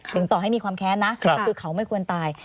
ต่อให้มีความแค้นนะคือเขาไม่ควรตาย